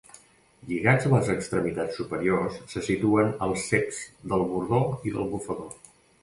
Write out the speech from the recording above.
Lligats a les extremitats superiors se situen els ceps del bordó i del bufador.